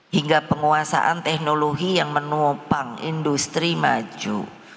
hingga penguasaan teknologi yang menopang industri maju